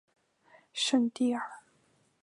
圣蒂尔。